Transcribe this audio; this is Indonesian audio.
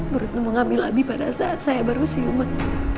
bu retno mengambil abi pada saat saya baru siuman